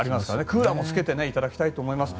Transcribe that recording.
クーラーもつけていただきたいと思います。